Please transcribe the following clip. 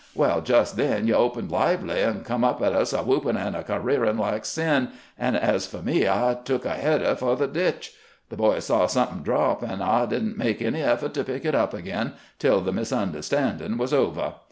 Well, jes' then you opened lively, and come at us a whoopin' and a careerin' like sin; and ez fo' me, I took a header fo' the ditch. The boys saw somethin' drop, and I did n't make any effo't to pick it up ag'in tiU the misunderstandin' was ovah.